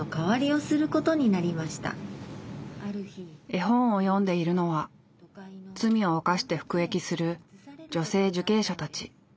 絵本を読んでいるのは罪を犯して服役する女性受刑者たち。